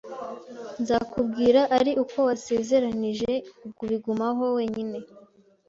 Nzakubwira ari uko wasezeranije kubigumaho wenyine.